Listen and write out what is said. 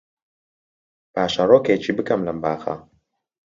پاشەرۆکێکی بکەم لەم باخە